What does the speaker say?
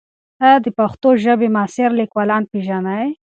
ایا ته د پښتو ژبې معاصر لیکوالان پېژنې؟